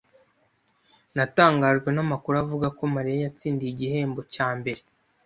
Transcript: Natangajwe namakuru avuga ko Mariya yatsindiye igihembo cya mbere